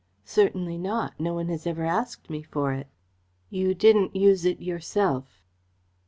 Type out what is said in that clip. "Certainly not. No one has ever asked me for it." "You didn't use it yourself?"